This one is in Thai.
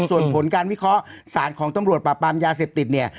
ส่วนผลการวิเคราะห์สารของตำรวจปราบปรามยาเสพติดเนี่ย